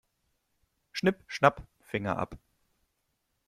Schnipp-schnapp, Finger ab.